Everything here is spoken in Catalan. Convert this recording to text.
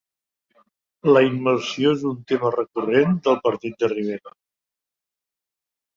La immersió és un tema recurrent del partit de Rivera